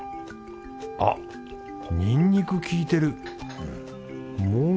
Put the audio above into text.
あっにんにく効いてる！ん。